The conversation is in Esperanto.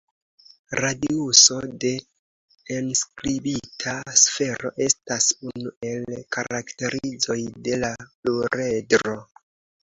Radiuso de enskribita sfero estas unu el karakterizoj de la pluredro.